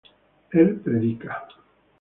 él predica